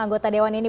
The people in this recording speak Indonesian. anggota dewan ini